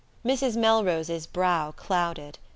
Mrs. Melrose's brow clouded.